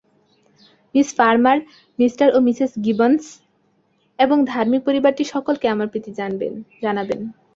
Miss Farmer, Mr ও Mrs Gibbons এবং ধার্মিক পরিবারটির সকলকে আমার প্রীতি জানাবেন।